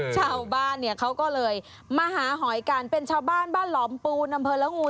ชาวบ้านเนี่ยเขาก็เลยมาหาหอยกันเป็นชาวบ้านบ้านหลอมปูนอำเภอละงู